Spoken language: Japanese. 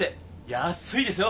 安いですよ！